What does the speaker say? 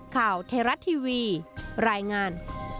ข่าวเทราะทีวีรายงาน